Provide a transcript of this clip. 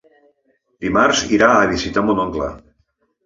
Dimarts irà a visitar mon oncle.